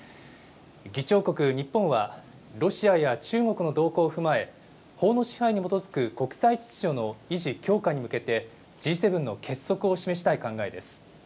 議長国、日本はロシアや中国の動向を踏まえ、法の支配に基づく国際秩序の維持、強化に向けてＧ７の結束を示したい考えです。